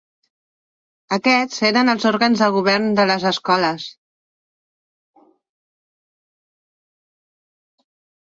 Aquests eren els òrgans de govern de les escoles.